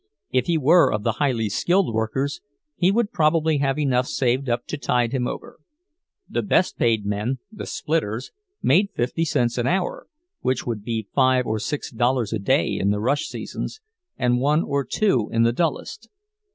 If he were of the highly skilled workers, he would probably have enough saved up to tide him over. The best paid men, the "splitters," made fifty cents an hour, which would be five or six dollars a day in the rush seasons, and one or two in the dullest.